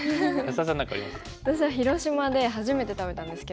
私は広島で初めて食べたんですけど。